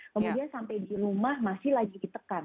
kemudian sampai di rumah masih lagi ditekan